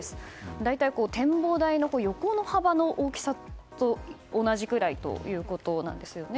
大体、展望台の横の幅の大きさと同じくらいということなんですね。